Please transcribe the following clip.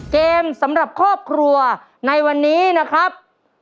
เกมสำหรับครอบครัวในวันนี้นะครับ